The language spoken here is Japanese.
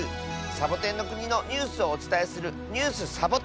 サボテンのくにのニュースをおつたえする「ニュース・サボ１０」。